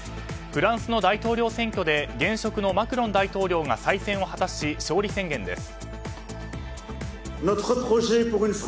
フランスの大統領選挙で現職のマクロン大統領が再選を果たし勝利宣言です。